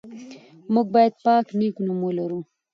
موږ باید نېک نوم ولرو.